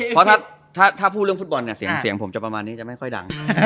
เพราะถ้าพูดเรื่องฟุตบอลเนี่ยเสียงผมจะประมาณนี้จะไม่ค่อยดัง